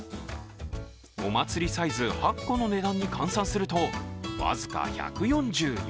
お祭りサイズ８個の値段に換算すると、僅か１４４円。